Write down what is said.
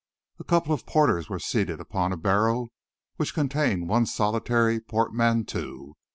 A couple of porters were seated upon a barrow which contained one solitary portmanteau.